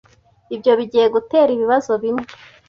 Ibyo bigiye gutera ibibazo bimwe.